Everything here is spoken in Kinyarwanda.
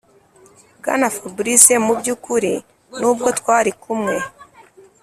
bwana fabric, mubyukuri nubwo twarikumwe